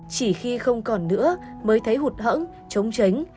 chỉ khi không còn nữa mới thấy hụt hỡng chống chánh